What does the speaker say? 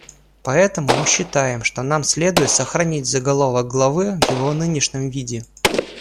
Поэтому мы считаем, что нам следует сохранить заголовок главы в его нынешнем виде.